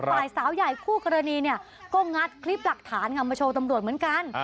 ฝ่ายสาวใหญ่คู่กรณีเนี่ยก็งัดคลิปหลักฐานค่ะมาโชว์ตำรวจเหมือนกัน